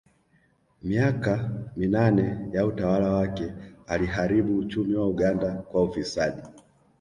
Miaka minane ya utawala wake aliharibu uchumi wa Uganda kwa ufisadi